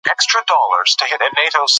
ګاز د افغانستان د جغرافیې بېلګه ده.